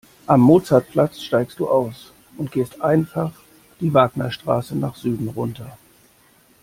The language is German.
Am Mozartplatz steigst du aus und gehst einfach die Wagnerstraße nach Süden runter.